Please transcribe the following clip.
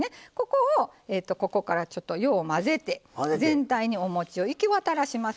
ここから、ちょっとよう混ぜて全体に、おもちを行き渡らせます。